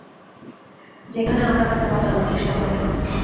যেখানে আমরা তাকে বাঁচানোর চেষ্টা করি।